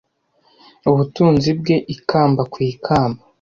ubutunzi bwe ikamba ku ikamba